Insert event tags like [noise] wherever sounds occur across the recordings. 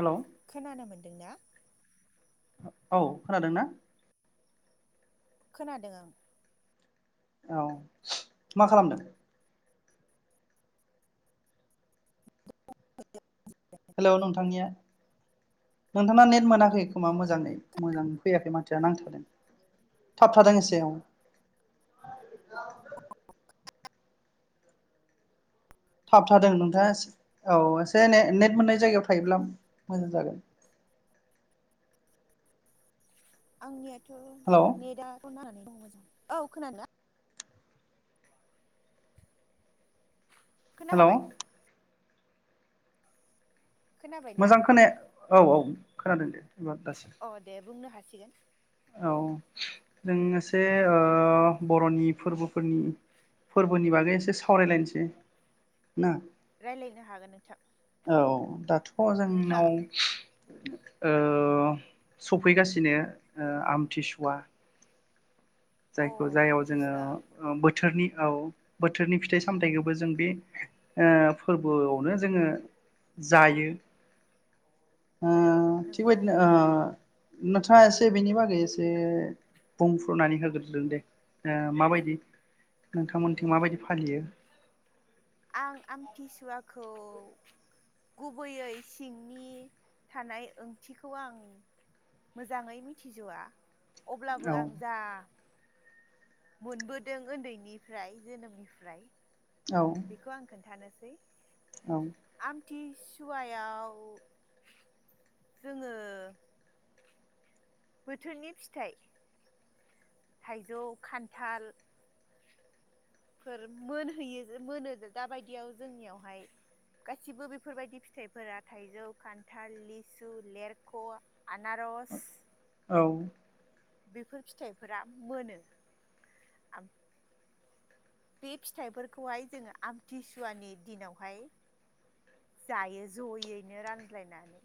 हेल' खोनानो मोनदों ना? औ खोनादों ना? खोनादों आं। औ मा खालामदों? [inaudible] हेलौ नोंथांनिया नोंथांना नेट मोनाखै खोमा मोजाङै मोजां फैयाखै माथोया नांथादों थाब थादों एसे औ थाब थादों नोंथाङा औ एसे ने नेट मोननाय जायगायाव थायोब्ला मोजां जागोन आंनिया थ' हेलौ नेथआथ' नाङा औ मोजां औ खोनादों ना? खोना हेलौ खाबाय खोनाबायना मोजां खोनाया औ औ खोनादों दे। एबार दासो अ दे बुंनो हा सिगोन। औ जों एसे ओ बर'नि फोरबोफोरनि फोरबोनि बागै एसे सावरायलायनोसै ना। रायलायनो हागोन नोंथां। औ दाथ' नोंथाङा जोंनाव ओ सफैगासिनो आमथिसुवा अ जायखौ जाययाव आमथिसुवा जोङो बोथोरनि औ बोथोरनि फिथाइ सामथायाइखौबो जों बे ओ फोरबोआवनो जोङो जायो। ओ थिग नंगौ बेबायदिनो ओ नोंथाङा एसे बेनि बागै एसे बुंफ्रुनानै होग्रो? दे माबायदि नोंथांमोनथिं मा बायदि फालियो? आं आमथिसुवाखौ गुबैयै सिंनि थानाय ओंथिखौ आं मोजाङै मिथिज'वा। औ अब्लाबो आं जा मोनबोदों उन्दैनिफ्राय जोनोमनिफ्राय औ बेखौ आं खोन्थानोसै। औ थिसुवायाव जोङो बोथोरनि फिथाइ थाइजौ, खान्थाल फोर मोनहैयो मोनो दाबायदियाव जोंनियावहाय गासिबो बेफोरबायदि फिथाइफोरा थाइजौ, खान्थाल, लिसु, लेरख, आनारस, औ बेफोर फिथाइफोरा मोनो। बे फिथाइफोरखौहाय जोङो आमथिसुवानि दिनावहाय जायो जयैनो रानज्लायनानै।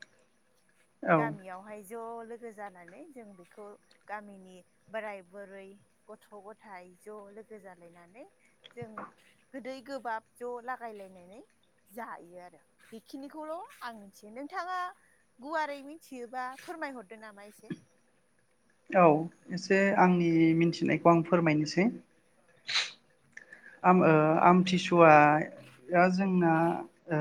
औ गामियावहाय ज' लोगो जानानै जों बेखौ गामिनि बोराय बुरै, गथ' गथायाइ ज' लोगो जालायनानै जों गोदै गोबाब ज' लागायलायनानै जायो आरो। बेखिनिखौल' आं मिथियो नोंथाङा गुवारै मिथियोबा फोरमायहरदो नामा एसे। औ एसे आंनि मिथिनायखौ आं फोरमायनोसै। आम ओ आमथिसुवाया जोंना ओ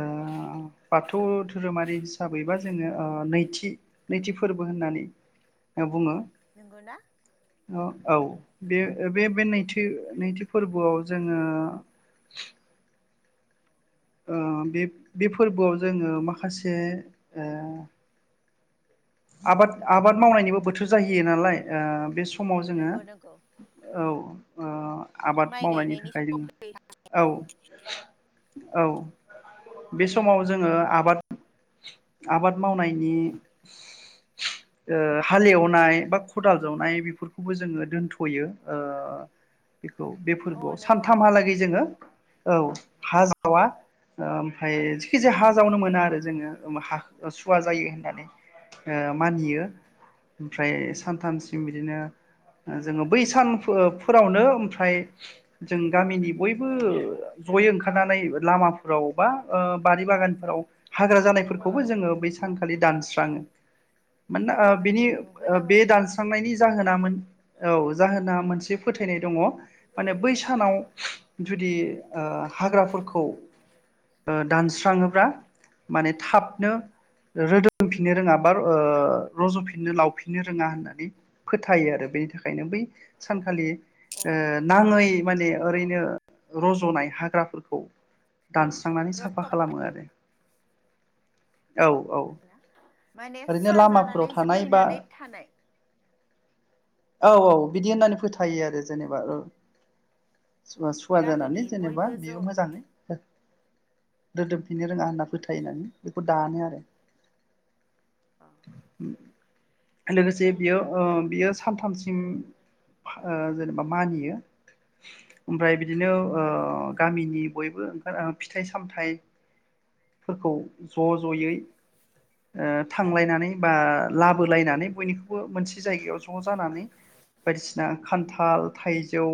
बाथौ धोरोमारि हिसाबैबा जोङो ओ नैथि नैथि फोरबो होननानै बुङो। नंगौना? औ बे बे नैथि नैथि फोरबोआव जोङो ओ बे बे फोरबोआव जोङो माखासे ओ आबाद आबाद मावनायनिबो बोथोर जाहैयो नालाय ओ बे समाव जोङो नंगौ नंगौ औ ओ आबाद माइ मावनायनि गायनायनि थाखाय सम जोङो फै औ। औ बे समाव जोङो आबाद आबाद मावनायनि ओ हालेवनाय बा खदाल जावनाय बेफोरखौबो जोङो दोनथ'यो ओ खौ बे अ फोरबोआव नों नंगौ सानथामहालागै जोङो औ हा जावा ओमफ्राय जेखि जाया हा जावनो मोना आरो जोङो हा सुवा जायो होननानै। ओ अ मानियो ओमफ्राय सानथामसिम बिदिनो ओ जोङो बै सान फो-फोरावनो ओमफ्राय जों गामिनि बयबो जयै ओंखारनानै लामाफोराव बा बारि बागानफोराव हाग्रा जानायफोरखौबो जोङो बै सानखालि दानस्रि स्राङो। मानना नंगौ ओ नंगौ बिनि ओ नुबोनो बे मोनदों दानस्रांनायनि जाहोनामोन औ जाहोना मोनसे फोथायनाय दङ माने बै सानाव जुदि ओ हाग्राफोरखौ ओ दानस्राङोब्ला माने थाबनो रोदो दोमफिननो रोङा बा रज'फिननो लावफिननो रोङा होननानै फोथायो आरो बेनि थाखायनो बै सानखालि औ ओ नाङै माने ओरैनो रज'नाय हाग्राफोरखौ दानस्रांनानै र' साफा खालामो आरो औ औ। नोंना माने ओरैनो सुवा लामाफोराव जानानै थानाय बा जोमब्रिनानै थानाय। औ औ बिदि होननानै फोथायो आरो जेनेबा ओ। सुव सुवा जानानै गामिनि जेनेबा बयबो बेयो ज' मोजाङै रोदोमफिननो रोङा होनना फोथायनानै बेखौ दानो आरो। अह। लोगोसे बियो ओ बियो सानथामसिम ओ जेनेबा मानियो ओमफ्राय बिदिनो ओ गामिनि बयबो ओ फिथाइ सामथाइफोरखौ ज' ज'यै ओ थांलायनानै बा लाबोलायनानै बयनिखौबो मोनसे जायगायाव ज' जानानै बायदिसिना खान्थाल, थाइजौ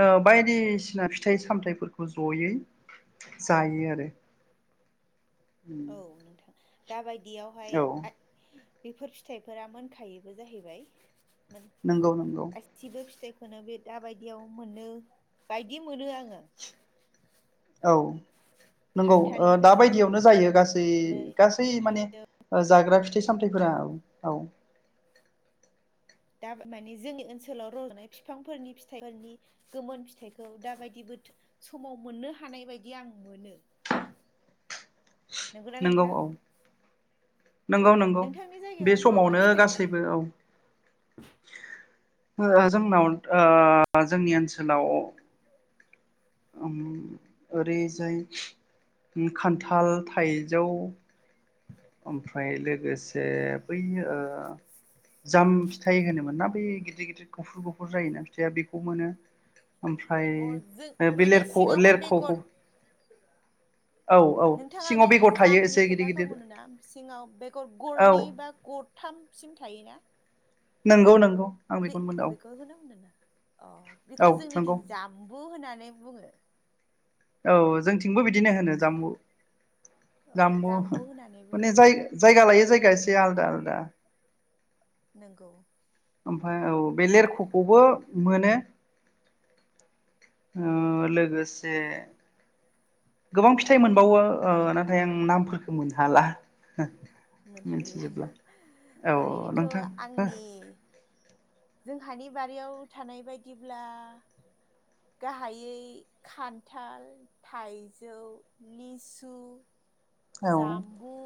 ओ बायदिसिना फिथाइ सामथाइफोरखौ जयै जायो आरो। औ नोंथां। दाबायद बियावहाय आथ बेफोर फिथाइफोरा मोनखायोबो जाहैबाय। नंगौ नंगौ गासिबो फिथाय बे दाबायदियाव मोनो बायदि मोनो आङो। औ। नंगौ ओ खान्थालनिफ्राय दाबायदियावनो लानानै जायो गासै गासै माने थाइजौ जाग्रा फिथाइ सामथाइफोरा औ औ दा माने जोंनि ओनसोलाव रज'नाय फिफांफोरनि फिथाइफोरनि गोमोन फिथाइखौ दाबायदिबो समाव मोननो हानाय बायदि आं मोनो। नंगौना नंगौ नोंथां? औ नंगौ नंगौ नोंथांनि बे जायगायाव मा मा समावनो फिथाइ मोनो गासैबो औ जोंनाव ओ जोंनि ओनसोलाव ओरैजाय खान्थाल, थाइजौ ओमफ्राय लोगोसे बै जाम फिथाइ होनोमोन ना बै गिदिर गिदिर गुफुर गुफुर जायोना फिथाइआ बेखौ मोनो। अ जों ओमफ्राय बे माने लेरख' सिङावहाय बेगर लेरख'खौ औ औ नोंथाङा बे सिङाव बेगर थायो जामनि एसे गिदिर खोथाखौ गिदिर। सिङाव बेगर गरनै औ बा गरथामसिम थायोना नोंगौ नोंगौ बे [unintelligible] अ औ बेखौ औ नंगौ जोंनिथिं जाम्बु होनानै नै बुङो। औ जोंथिंबो बिदिनो होनो जाम्बु औ जाम्बु जामबु होननानै बुङो माने जाय जायगा लायो जायगा एसे से आलदा आलदा नोंगौ ओमफ्राय औ बे लेरख'खौबो मोनो ओ लोगोस से गोबां फिथाइ मोनबावो ओ नाथाय आं नामफोरखौ मोनहाला मोनहालियाना मिथिजोबला औ नोंथां ओरैनोथ' आंनि जोंहानि बारियाव थानाय बायदिब्ला गाहायै खान्थाल, थाइजौ, लिसु औ जाम्बु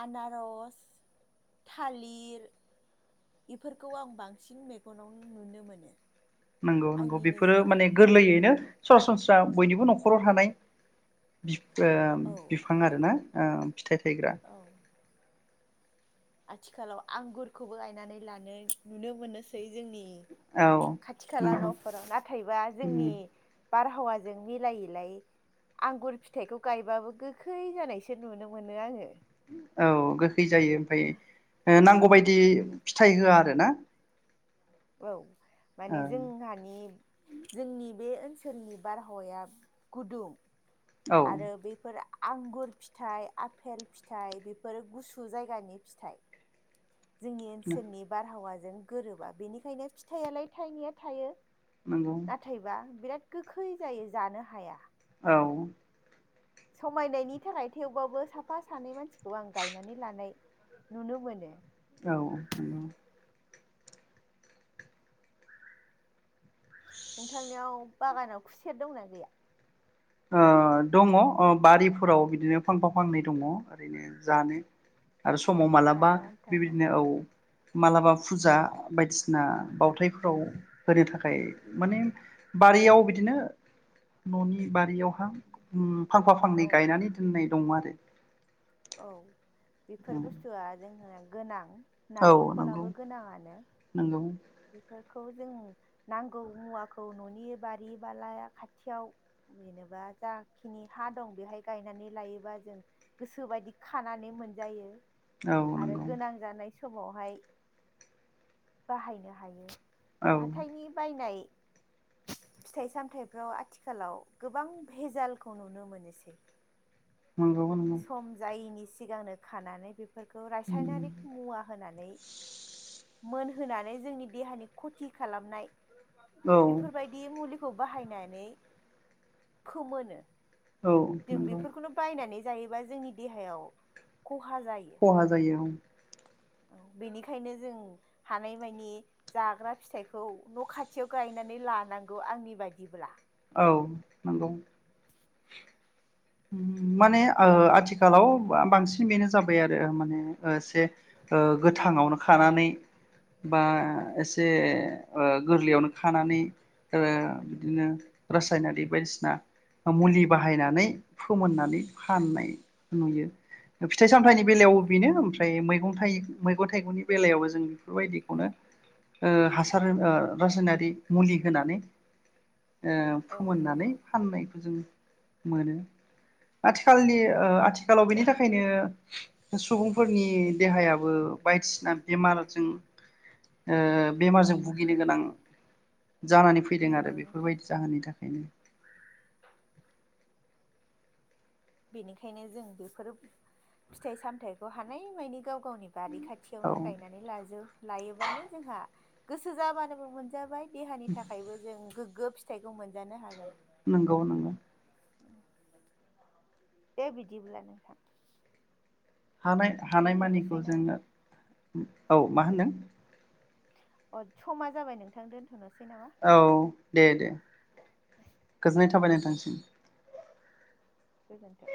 आनारस, थालिर बेफोरखौ आं बांसिन मेगनाव नुनो मोनो। नंगौ नंगौ आंनि बेफोरो माने नोजोराव गोरलैयैनो सरासनस्रा बयनिबो न'खराव थानाय ओ औ बिफां आरोना औ फिथाइ थायग्रा औ आथिखालाव आंगुरखौबो गायनानै लानो नुनो मोनोसै जोंनि औ खाथि खाला नंगौ न'फोराव नाथायबा जोंनि उम बारहावाजों मिलायैलाय आंगुर फिथाइखौ गायबाबो गोखै जानायसो नुनो मोनो आङो। औ गो खै जायो ओमफ्राय अ नांगौ बायदि थाइ होआ आरो ना औ माने जोंहानि जोंनि बे ओनसोलनि बारहावाया गुदुं‌ औ आरो बेफोर आंगुर फिथाइ आफेल फिथाइ बेफोरो गुसु जायगानि फिथाइ। जोंनि ओनसोलनि बारहावा जों गोरोबा बेनिखायनो फिथायालाय थाइनाया थायो। नंगौ नाथायबा बिराद गोखै जायो जानो हाया। औ समायनायनि थाखाय थेवबाबो साफा सानै मानसिखौ आं गायनानै लानाय नुनो मोनो। औ औ नंगौ नोंथांनियाव बागानाव खुसेर दंना गैया? ओ दङ बारिफोराव बिदिनो फांफा फांनै दङ ओरैनो जानो। आरो समाव मालाबा जानो आन्थाना बेबायदिनो औ मालाबा फुजा बायदिसिना बावथायफोराव होनो थाखाय माने बारियाव बिदिनो न'नि बारियावहा फांफा फांनै औ गायनानै दोननाय दं आरो औ बेफोर बुस्थुआ जों [unintelligible] गोनां औ नंगौ नारिखलाबो गोनाङानो नंगौ बेफोर खौ जों नांगौ मुवाखौ न'नि बारि बाला खाथियाव जेनेबा जाखिनि हा दं बेहाय गायनानै लायोबा जों गोस गोसो बायदि खानानै मोनजायो। औ आरो नंगौ गोनां जानाय समावहाय बाहायनो हायो। औ हाथायनि बायनाय फिथाइ सामथायाइफ्राव आथिखालाव गोबां भेजालखौ नुनो मोनोसै [unintelligible] सम जायैनि सिगांनो खानानै फोरखौ उम रासायनारिक मुवा होनानै मोनहोनानै जोंनि देहानि खथि खालामनाय औ बेफोरबायदि मुलि खौ बाहायनानै फोमोनो औ जों नंगौ बेफोरखौनो बायनानै जायोबा जोंनि देहायाव खहा जायो खहा जायो ओं बेनिखायनो जों हानायमानि जाग्रा फिथाइखौ न' खाथियाव गायनानै लानांगौ आंनि बायदिब्ला औ नंगौ उम माने ओ आथिखालाव बांसिन बेनो जाबाय आरो माने ओ एसे ओ गोथाङावनो खानानै बा एसे ओ गोरलैयावनो खानानै ओ बिदिनो रासायनारि बायदिसिना मुलि बाहायनानै फोमोननानै फाननाय नुयो फिथाइ सामथायाइनि बेलायाव नंगौ बेनो ओमफ्राय मैगं थाइ मैगं थाइगंनि बेलायावबो जों बायदिखौनो ओ हा सार ओ रासायनारि मुलि होनानै ओ औ फोमोननानै नंगौ फाननायखौ जों मोनो आथिखालनि उम ओ आथिखालाव बेनि था खायनो सुबुंफोरनि देहायाबो बायदिसिना बेमारजों ओ बेमारजों भुगिनो गोनां जानानै फैदों नंगौ आरो नोंथां बेफोरबायदि जाहोननि थाखायनो बेनिखायनो जों बेफोरो फिथाइ सामथायाइखौ हानायमानि गाव गावनि बारि खाथियावनो औ गायनानै लाजोब लायोबानो जोंहा गोसो जाबानोबो मोनजाबाय देहानि थाखायबो जों गोग गो फिथखौ मोन नंगौ नंगौ दे बिदिब्ला नोंथां हानाय हानाय मानिखौ दोनथ'नोसै नामा जोङो उम औ मा होनदों अ समा जाबाय नोंथां दोनथ'नोसै ना औ दे दे गोजोननाय थाबाय नोंथांसिम गोजोनथों